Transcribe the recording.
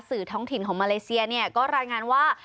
ท้องถิ่นของมาเลเซียเนี่ยก็รายงานว่า